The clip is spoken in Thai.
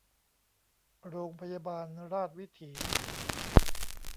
โรงพยาบาลราชวิถี